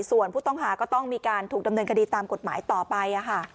ส่วนผู้ต้องหาก็ต้องมีการถูกดำเนินคดีตามกฎหมายต่อไป